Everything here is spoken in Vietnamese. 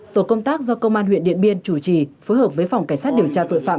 tổ công tác do công an huyện điện biên chủ trì phối hợp với phòng cảnh sát điều tra tội phạm